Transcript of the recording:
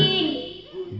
tembang aja ikhwanin napirin